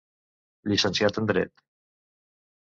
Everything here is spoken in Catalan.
Llicenciat en dret.